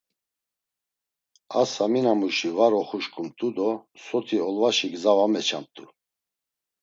A Saminamuşi var oxuşǩumt̆u do soti olvaşi gza va meçamt̆u.